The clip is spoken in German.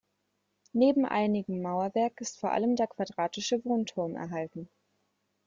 Neben einigem Mauerwerk ist vor allem der quadratische Wohnturm erhalten.